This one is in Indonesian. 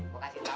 gue kasih tau